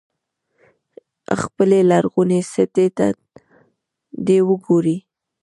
خپلې لرغونې سټې ته دې وګوري.